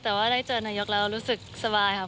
แต่ว่าได้เจอนายกแล้วรู้สึกสบายครับ